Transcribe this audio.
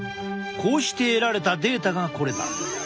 こうして得られたデータがこれだ。